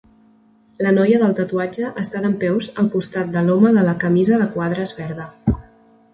La noia del tatuatge està dempeus al costat de l'home de la camisa de quadres verda.